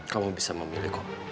kamu bisa memilihku